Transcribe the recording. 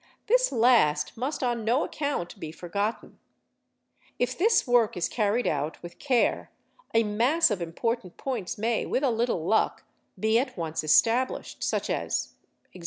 This last must on no account be forgotten. If this work 1s carried out with care a mass of important points may, with a little luck, be at once established: such as, e.g.